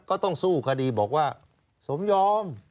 ก็ต้องสู้คดีบอกว่าสมยอม